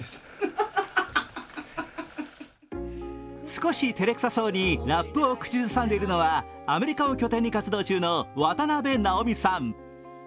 少し照れくさそうにラップを口ずさんでいるのは、アメリカを拠点に活動中の渡辺直美さん。